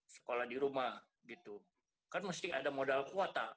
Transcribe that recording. sekolah di rumah